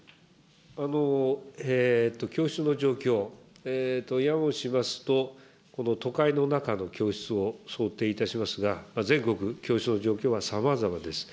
教室の状況、やもしますと、都会の中の教室を想定いたしますが、全国、教室の状況はさまざまです。